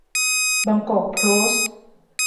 บางกอก โพสต์